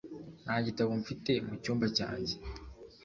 Nta gitabo mfite mu cyumba cyanjye